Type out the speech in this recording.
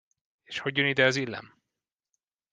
És hogy jön ide az illem?